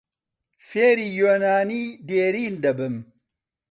فێری یۆنانیی دێرین دەبم.